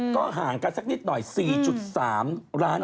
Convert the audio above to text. ก็ห่างกันสักนิดหน่อย๔๓ล้าน